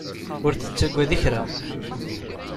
Ur tettagad kra.